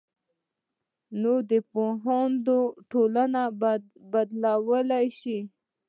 نوی پوهاند ټولنه بدلولی شي